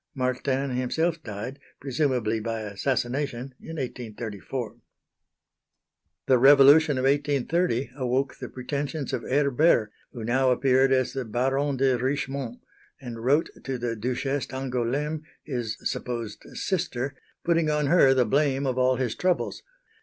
Martin himself died, presumably by assassination, in 1834. The Revolution of 1830 awoke the pretensions of Herbert, who now appeared as the Baron de Richmont, and wrote to the Duchesse d'Angoulême, his (supposed) sister, putting on her the blame of all his troubles.